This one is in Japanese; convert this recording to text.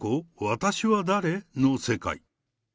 私は誰？の世界。